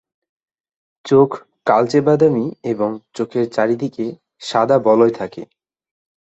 চোখ কালচে-বাদামি এবং চোখের চারদিকে সাদা বলয় থাকে।